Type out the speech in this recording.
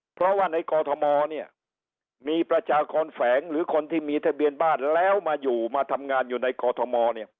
เพราะว่าในกอทมเนี่ยมีประชากรแฝงหรือคนที่มีทะเบียนบ้านแล้วมาอยู่มาทำงานอยู่ในกอทมเนี่ย